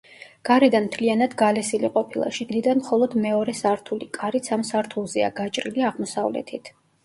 გარედან მთლიანად გალესილი ყოფილა, შიგნიდან მხოლოდ მეორე სართული, კარიც ამ სართულზეა გაჭრილი აღმოსავლეთით.